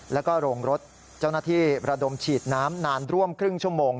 แล้วก็โรงรถเจ้าหน้าที่ระดมฉีดน้ำนานร่วมครึ่งชั่วโมง